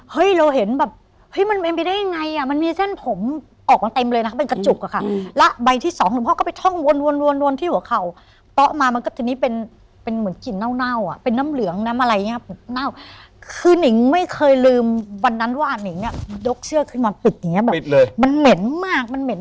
เราเห็นแบบเฮ้ยมันเป็นไปได้ยังไงอ่ะมันมีเส้นผมออกมาเต็มเลยนะเป็นกระจุกอะค่ะแล้วใบที่สองหลวงพ่อก็ไปท่องวนวนที่หัวเข่าเป๊ะมามันก็ทีนี้เป็นเป็นเหมือนกลิ่นเน่าเน่าอ่ะเป็นน้ำเหลืองน้ำอะไรอย่างเงี้ยเน่าคือนิงไม่เคยลืมวันนั้นว่านิงเนี่ยยกเชือกขึ้นมาปิดอย่างเงี้แบบปิดเลยมันเหม็นมากมันเหม็น